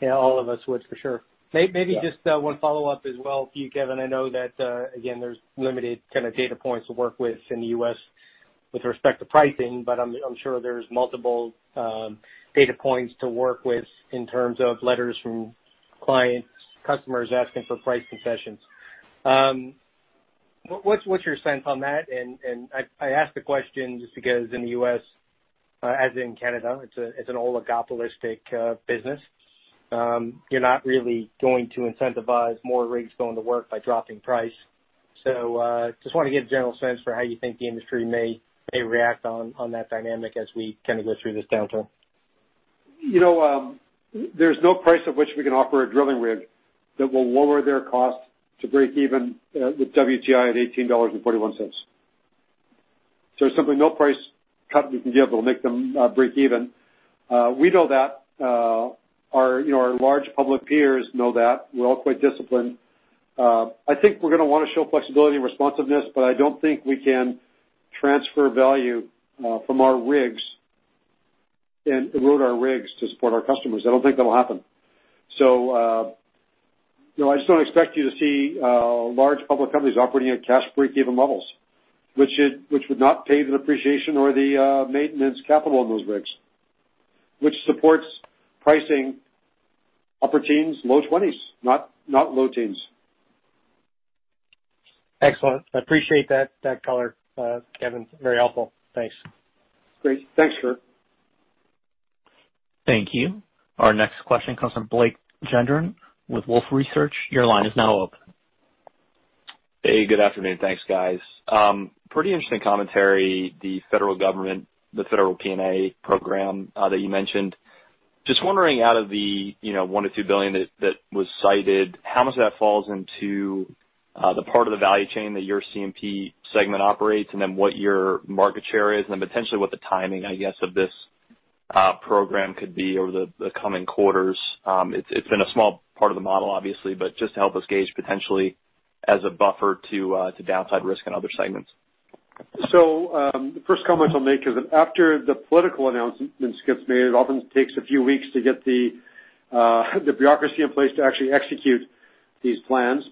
S9: Yeah, all of us would, for sure.
S3: Yeah.
S9: Maybe just one follow-up as well for you, Kevin. I know that again, there's limited data points to work with in the U.S. with respect to pricing. I'm sure there's multiple data points to work with in terms of letters from clients, customers asking for price concessions. What's your sense on that? I ask the question just because in the U.S., as in Canada, it's an oligopolistic business. You're not really going to incentivize more rigs going to work by dropping price. I just want to get a general sense for how you think the industry may react on that dynamic as we go through this downturn.
S3: There's no price at which we can offer a drilling rig that will lower their cost to break even with WTI at 18.41 dollars. There's simply no price cut we can give that'll make them break even. We know that. Our large public peers know that. We're all quite disciplined. I think we're going to want to show flexibility and responsiveness, but I don't think we can transfer value from our rigs and erode our rigs to support our customers. I don't think that'll happen. I just don't expect you to see large public companies operating at cash break-even levels, which would not pay the depreciation or the maintenance capital on those rigs, which supports pricing. Upper teens, low twenties. Not low teens.
S9: Excellent. I appreciate that color, Kevin. Very helpful. Thanks.
S3: Great. Thanks, Kurt.
S1: Thank you. Our next question comes from Blake Gendron with Wolfe Research. Your line is now open.
S10: Hey, good afternoon. Thanks, guys. Pretty interesting commentary, the federal government, the federal P&A program that you mentioned. Just wondering out of the 1 billion-2 billion that was cited, how much of that falls into the part of the value chain that your C&P segment operates, and then what your market share is, and then potentially what the timing, I guess, of this program could be over the coming quarters. It's been a small part of the model, obviously, but just to help us gauge potentially as a buffer to downside risk in other segments.
S3: The first comment I'll make is that after the political announcement gets made, it often takes a few weeks to get the bureaucracy in place to actually execute these plans.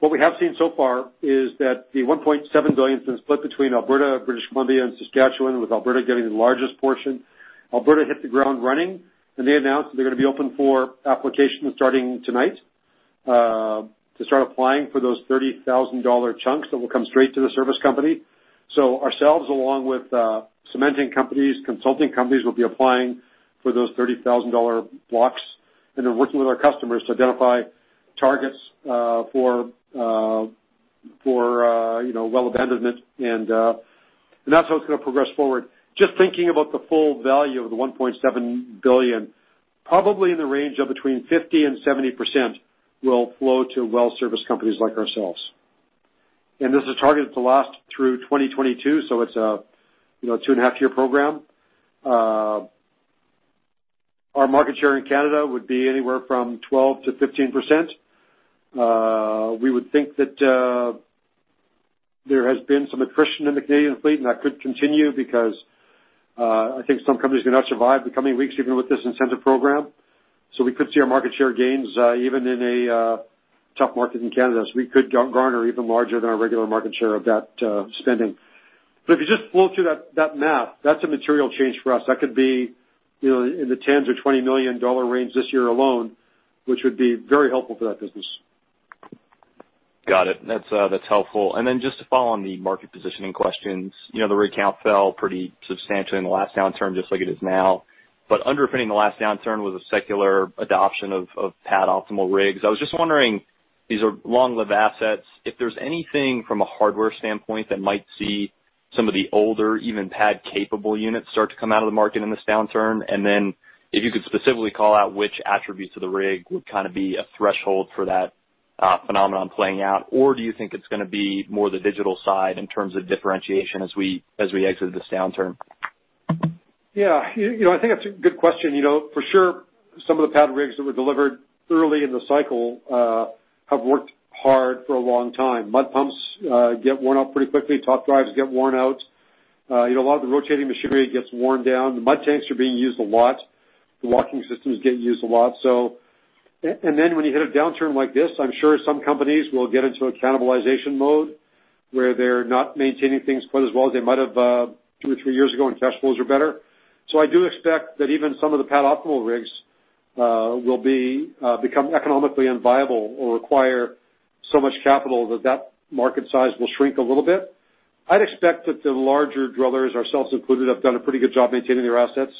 S3: What we have seen so far is that the 1.7 billion has been split between Alberta, British Columbia, and Saskatchewan, with Alberta getting the largest portion. Alberta hit the ground running, and they announced that they're gonna be open for applications starting tonight, to start applying for those 30,000 dollar chunks that will come straight to the service company. Ourselves, along with cementing companies, consulting companies, will be applying for those 30,000 dollar blocks and are working with our customers to identify targets for well abandonment. That's how it's gonna progress forward. Just thinking about the full value of the 1.7 billion, probably in the range of between 50% and 70% will flow to well service companies like ourselves. This is targeted to last through 2022, so it's a two-and-a-half year program. Our market share in Canada would be anywhere from 12% to 15%. We would think that there has been some attrition in the Canadian fleet, that could continue because I think some companies may not survive the coming weeks, even with this incentive program. We could see our market share gains even in a tough market in Canada. We could garner even larger than our regular market share of that spending. If you just flow through that math, that's a material change for us. That could be in the 10 million-20 million dollar range this year alone, which would be very helpful for that business.
S10: Got it. That's helpful. Just to follow on the market positioning questions, the rig count fell pretty substantially in the last downturn, just like it is now. Underpinning the last downturn was a secular adoption of pad optimal rigs. I was just wondering, these are long-lived assets, if there's anything from a hardware standpoint that might see some of the older, even pad-capable units start to come out of the market in this downturn. If you could specifically call out which attributes of the rig would kind of be a threshold for that phenomenon playing out, or do you think it's gonna be more the digital side in terms of differentiation as we exit this downturn?
S3: Yeah. I think that's a good question. For sure, some of the pad rigs that were delivered early in the cycle have worked hard for a long time. Mud pumps get worn out pretty quickly. Top drives get worn out. A lot of the rotating machinery gets worn down. The mud tanks are being used a lot. The locking systems get used a lot. When you hit a downturn like this, I'm sure some companies will get into a cannibalization mode where they're not maintaining things quite as well as they might have two or three years ago when cash flows were better. I do expect that even some of the pad optimal rigs will become economically unviable or require so much capital that that market size will shrink a little bit. I'd expect that the larger drillers, ourselves included, have done a pretty good job maintaining their assets.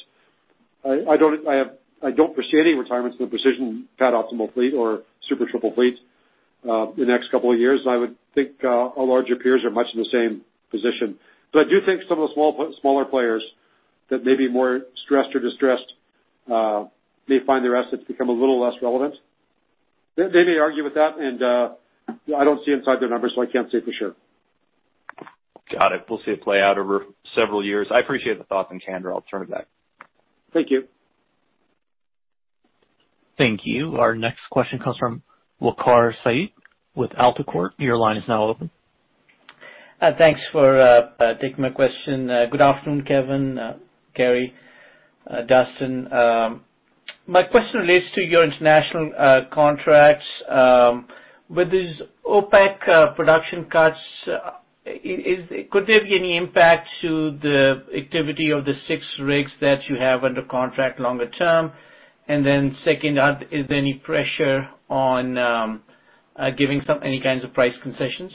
S3: I don't foresee any retirements in the Precision pad optimal fleet or Super Triple fleet in the next couple of years. I would think our larger peers are much in the same position. I do think some of the smaller players that may be more stressed or distressed may find their assets become a little less relevant. They may argue with that, and I don't see inside their numbers, so I can't say for sure.
S10: Got it. We'll see it play out over several years. I appreciate the thoughts and candor. I'll turn it back.
S3: Thank you.
S1: Thank you. Our next question comes from Waqar Syed with AltaCorp Capital. Your line is now open.
S11: Thanks for taking my question. Good afternoon, Kevin, Carey, Dustin. My question relates to your international contracts. With these OPEC production cuts, could there be any impact to the activity of the six rigs that you have under contract longer term? Second, is there any pressure on giving any kinds of price concessions?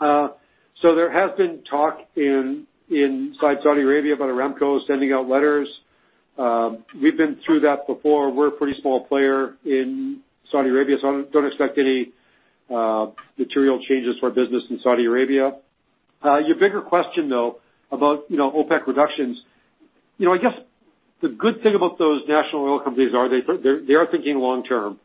S3: There has been talk inside Saudi Arabia about Aramco sending out letters. We've been through that before. We're a pretty small player in Saudi Arabia, so I don't expect any material changes to our business in Saudi Arabia. Your bigger question, though, about OPEC reductions. I guess the good thing about those national oil companies are they are thinking long term.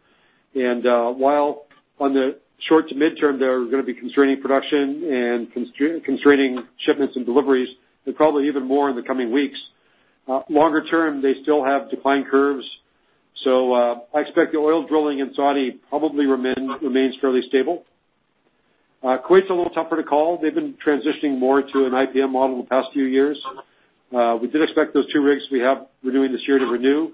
S3: While on the short to midterm, they're gonna be constraining production and constraining shipments and deliveries, and probably even more in the coming weeks. Longer term, they still have decline curves. I expect the oil drilling in Saudi probably remains fairly stable. Kuwait's a little tougher to call. They've been transitioning more to an IPM model the past few years. We did expect those two rigs we have renewing this year to renew.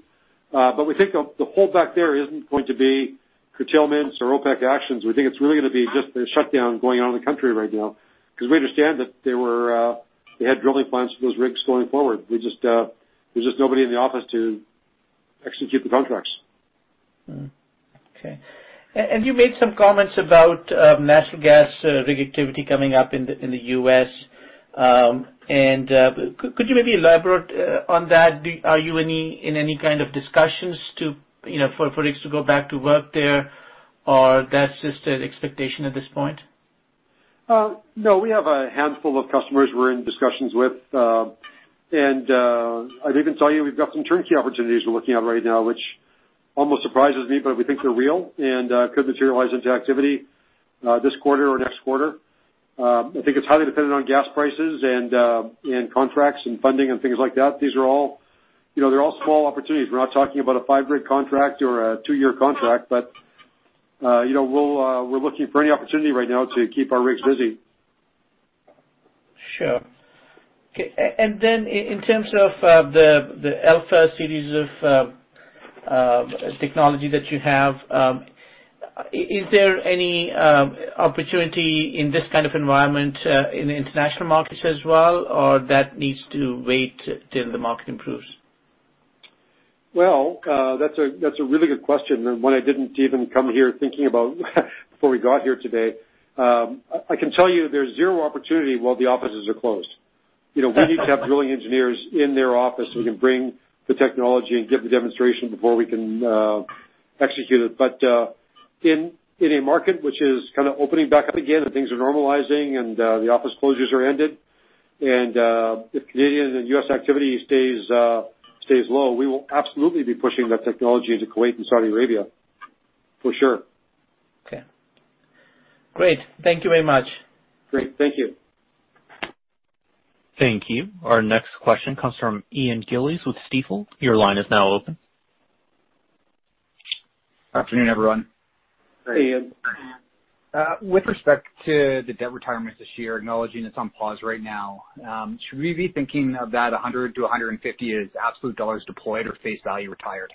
S3: We think the holdback there isn't going to be curtailments or OPEC actions. We think it's really going to be just the shutdown going on in the country right now, because we understand that they had drilling plans for those rigs going forward. There's just nobody in the office to execute the contracts.
S11: Okay. You made some comments about natural gas rig activity coming up in the U.S. Could you maybe elaborate on that? Are you in any kind of discussions for rigs to go back to work there, or that's just an expectation at this point?
S3: No, we have a handful of customers we're in discussions with. I'd even tell you, we've got some turnkey opportunities we're looking at right now, which almost surprises me, but we think they're real and could materialize into activity this quarter or next quarter. I think it's highly dependent on gas prices and contracts and funding and things like that. They're all small opportunities. We're not talking about a five-rig contract or a two-year contract, but we're looking for any opportunity right now to keep our rigs busy.
S11: Sure. Okay. In terms of the Alpha series of technology that you have, is there any opportunity in this kind of environment in the international markets as well, or that needs to wait till the market improves?
S3: That's a really good question, and one I didn't even come here thinking about before we got here today. I can tell you there's zero opportunity while the offices are closed. We need to have drilling engineers in their office so we can bring the technology and give the demonstration before we can execute it. In a market which is kind of opening back up again and things are normalizing and the office closures are ended, and if Canadian and U.S. activity stays low, we will absolutely be pushing that technology into Kuwait and Saudi Arabia for sure.
S11: Okay. Great. Thank you very much.
S3: Great. Thank you.
S1: Thank you. Our next question comes from Ian Gillies with Stifel. Your line is now open.
S12: Afternoon, everyone.
S3: Hey, Ian.
S12: With respect to the debt retirement this year, acknowledging it's on pause right now, should we be thinking of that 100 to 150 as absolute CAD deployed or face value retired?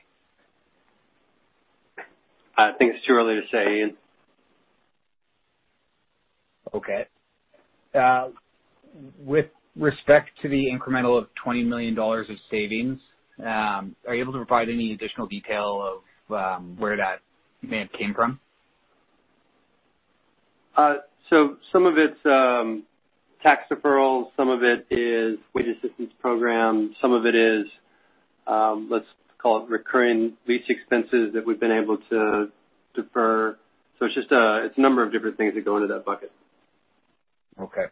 S3: I think it's too early to say, Ian.
S12: Okay. With respect to the incremental of 20 million dollars of savings, are you able to provide any additional detail of where that may have came from?
S3: Some of it's tax deferrals, some of it is wage assistance program, some of it is, let's call it recurring lease expenses that we've been able to defer. It's a number of different things that go into that bucket.
S12: Okay.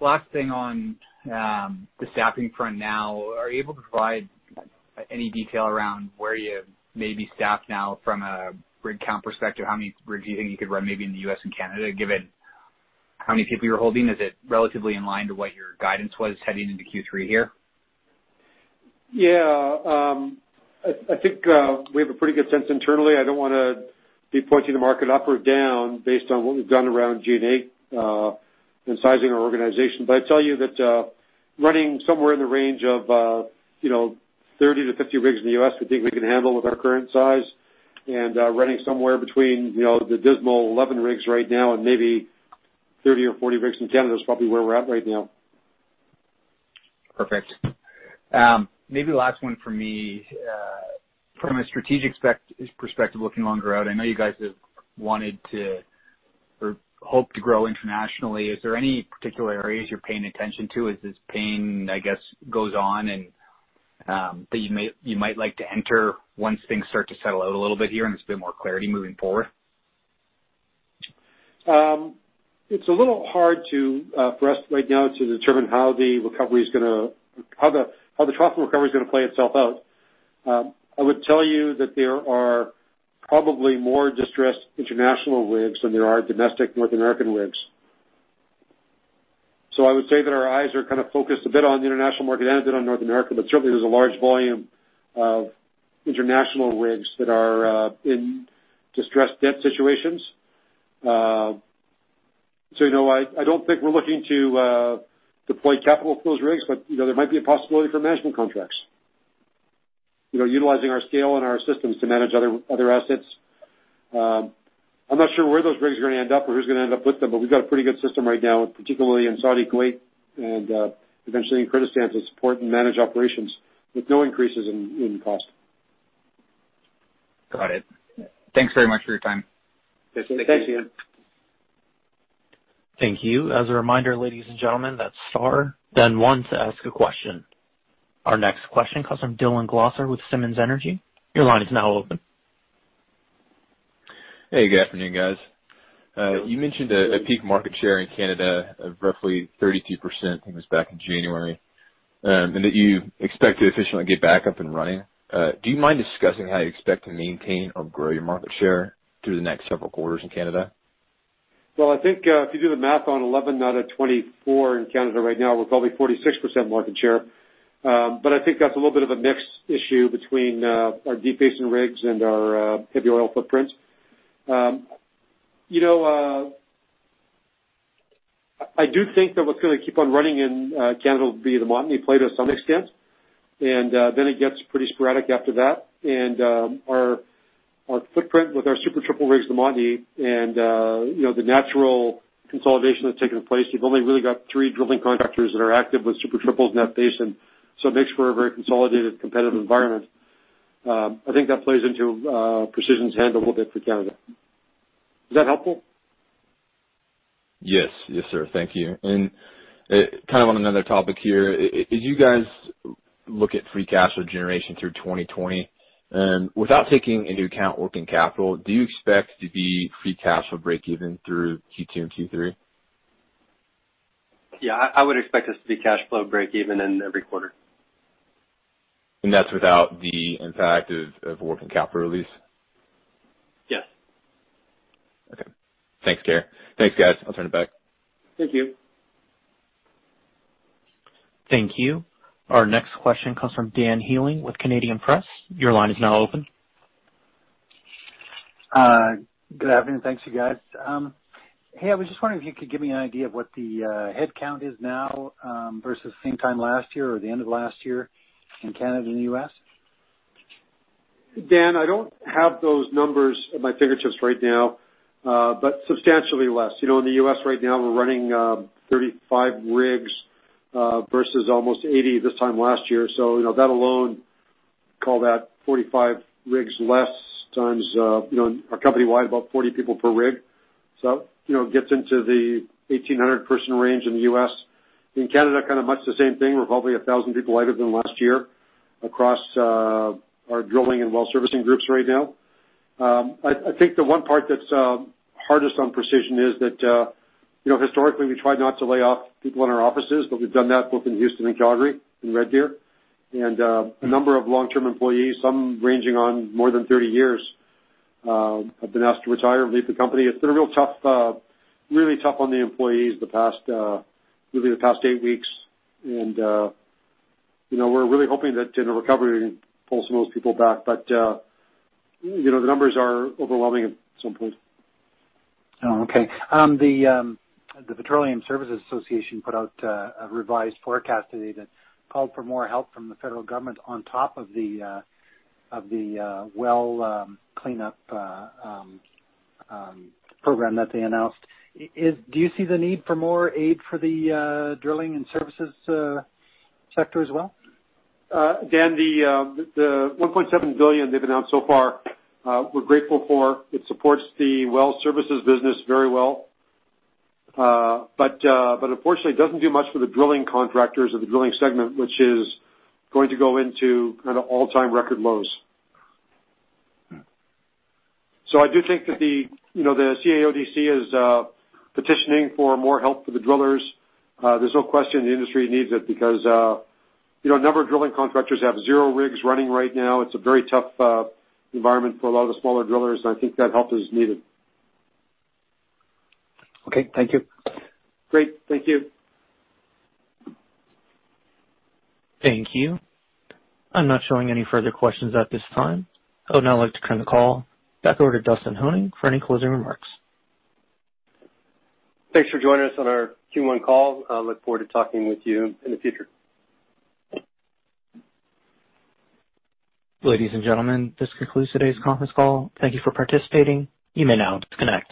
S12: Last thing on the staffing front now. Are you able to provide any detail around where you maybe staff now from a rig count perspective? How many rigs you think you could run maybe in the U.S. and Canada, given how many people you're holding? Is it relatively in line to what your guidance was heading into Q3 here?
S3: Yeah. I think we have a pretty good sense internally. I don't want to be pointing the market up or down based on what we've done around G&A and sizing our organization. I'd tell you that running somewhere in the range of 30-50 rigs in the U.S., I think we can handle with our current size. Running somewhere between the dismal 11 rigs right now and maybe 30-40 rigs in Canada is probably where we're at right now.
S12: Perfect. Maybe last one from me. From a strategic perspective, looking longer out, I know you guys have wanted to or hope to grow internationally. Is there any particular areas you're paying attention to as this pain, I guess, goes on and that you might like to enter once things start to settle out a little bit here and there's a bit more clarity moving forward?
S3: It's a little hard for us right now to determine how the trough recovery is going to play itself out. I would tell you that there are probably more distressed international rigs than there are domestic North American rigs. I would say that our eyes are kind of focused a bit on the international market and a bit on North America, but certainly there's a large volume of international rigs that are in distressed debt situations. I don't think we're looking to deploy capital for those rigs, but there might be a possibility for management contracts, utilizing our scale and our systems to manage other assets. I'm not sure where those rigs are going to end up or who's going to end up with them, but we've got a pretty good system right now, particularly in Saudi, Kuwait, and eventually in Kurdistan, to support and manage operations with no increases in cost.
S12: Got it. Thanks very much for your time.
S3: Thanks, Ian.
S1: Thank you. As a reminder, ladies and gentlemen, that's star then one to ask a question. Our next question comes from Dylan Glosser with Simmons Energy. Your line is now open.
S13: Hey, good afternoon, guys. You mentioned a peak market share in Canada of roughly 32%, I think it was back in January, and that you expect to officially get back up and running. Do you mind discussing how you expect to maintain or grow your market share through the next several quarters in Canada?
S3: I think if you do the math on 11 out of 24 in Canada right now, we're probably 46% market share. I think that's a little bit of a mixed issue between our deep basin rigs and our heavy oil footprints. I do think that what's going to keep on running in Canada will be the Montney play to some extent, and then it gets pretty sporadic after that. Our footprint with our Super Triple rigs in the Montney and the natural consolidation that's taking place, you've only really got three drilling contractors that are active with Super Triples in that basin, so it makes for a very consolidated, competitive environment. I think that plays into Precision's hand a little bit for Canada. Is that helpful?
S13: Yes, sir. Thank you. Kind of on another topic here, as you guys look at free cash flow generation through 2020, without taking into account working capital, do you expect to be free cash flow breakeven through Q2 and Q3?
S4: Yeah, I would expect us to be cash flow breakeven in every quarter.
S13: That's without the impact of working capital release?
S3: Yes.
S13: Okay. Thanks, Kev. Thanks, guys. I'll turn it back.
S3: Thank you.
S1: Thank you. Our next question comes from Dan Healing with The Canadian Press. Your line is now open.
S14: Good afternoon. Thanks you guys. Hey, I was just wondering if you could give me an idea of what the headcount is now versus same time last year or the end of last year in Canada and the U.S.?
S3: Dan, I don't have those numbers at my fingertips right now, but substantially less. In the U.S. right now, we're running 35 rigs versus almost 80 this time last year. That alone, call that 45 rigs less times our company-wide, about 40 people per rig. It gets into the 1,800 person range in the U.S. In Canada, kind of much the same thing. We're probably 1,000 people lighter than last year across our drilling and well servicing groups right now. I think the one part that's hardest on Precision is that historically we tried not to lay off people in our offices, but we've done that both in Houston and Calgary, in Red Deer. A number of long-term employees, some ranging on more than 30 years, have been asked to retire and leave the company. It's been really tough on the employees, really the past eight weeks. We're really hoping that in a recovery we can pull some of those people back. The numbers are overwhelming at some point.
S14: Oh, okay. The Petroleum Services Association put out a revised forecast today that called for more help from the federal government on top of the well cleanup program that they announced. Do you see the need for more aid for the drilling and services sector as well?
S3: Dan, the 1.7 billion they've announced so far, we're grateful for. It supports the well services business very well. Unfortunately, it doesn't do much for the drilling contractors or the drilling segment, which is going to go into kind of all-time record lows. I do think that the CAODC is petitioning for more help for the drillers. There's no question the industry needs it because a number of drilling contractors have zero rigs running right now. It's a very tough environment for a lot of the smaller drillers. I think that help is needed.
S14: Okay. Thank you.
S3: Great. Thank you.
S1: Thank you. I'm not showing any further questions at this time. I would now like to turn the call back over to Dustin Honing for any closing remarks.
S2: Thanks for joining us on our Q1 call. I look forward to talking with you in the future.
S1: Ladies and gentlemen, this concludes today's conference call. Thank you for participating. You may now disconnect.